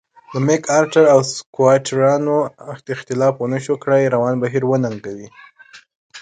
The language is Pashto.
د مک ارتر او سکواټورانو اختلاف ونشو کړای روان بهیر وننګوي.